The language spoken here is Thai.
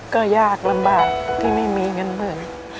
ก็ยากลำบากที่ไม่มีเงินหมื่น